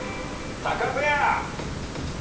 タカペア。